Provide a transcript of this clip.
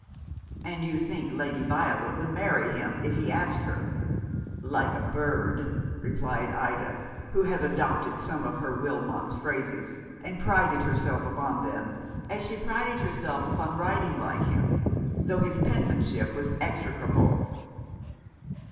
"And you think Lady Violet would marry him if he asked her ?" "Like a bird," replied Ida, who had adopted some of her Wilmot's phrases, and prided herself upon them, as she prided herself upon writing like him, though his penmanship was execrable.